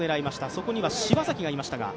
そこには柴崎がいました。